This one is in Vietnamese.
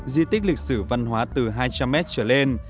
di tích lịch sử văn hóa từ hai trăm linh m trở lên